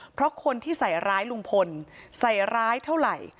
เพราะคนที่ใส่ร้ายลุงพลใส่ร้ายเท่าไหร่